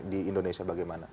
di indonesia bagaimana